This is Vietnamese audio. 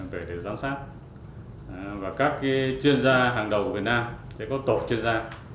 kể từ giám sát và các chuyên gia hàng đầu của việt nam sẽ có tổ chuyên gia